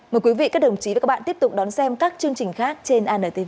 mời quý vị các đồng chí và các bạn tiếp tục đón xem các chương trình khác trên antv